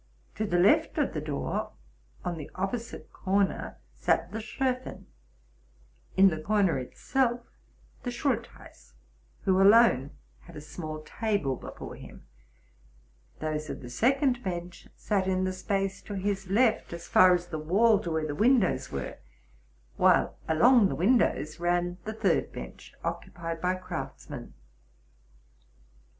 'To the left of the door, on the opposite corner, sat the Schoffen; in the corner itself the Schultheiss, who alone had a small table before him ; those of the second bench sat in the space to his left as far as the wall to where the windows were; while along the win dows ran the third bench, occupied by the craftsmen.